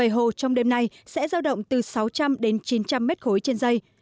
hồ trong đêm nay sẽ sao động từ sáu trăm linh m đến chín trăm linh m khối trên dây